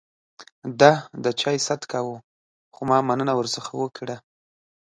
ده د چای ست کاوه ، خو ما مننه ورڅخه وکړه.